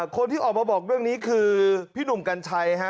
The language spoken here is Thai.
คนที่ออกมาบอกเรื่องนี้คือพี่หนุ่มกัญชัยฮะ